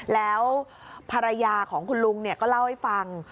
แล้วภรรยาของคุณลุงก็เล่าให้ฟัง